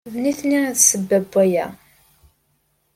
D nitni ay d tasebba n waya.